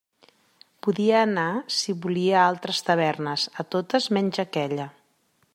Podia anar si volia a altres tavernes; a totes menys aquella.